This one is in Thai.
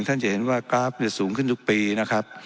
จะเห็นว่ากราฟสูงขึ้นทุกปีนะครับ